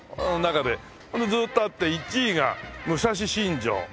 ずーっとあって１位が武蔵新城。